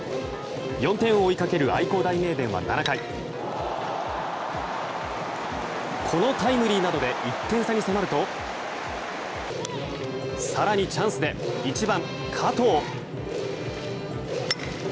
４点を追いかける愛工大名電は７回このタイムリーなどで１点差に迫ると更にチャンスで１番、加藤。